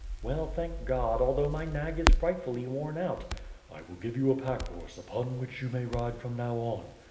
'^ell, thank God, although my nag is frightfully worn out." "I will give you a pack horse, upon which you may ride from now out."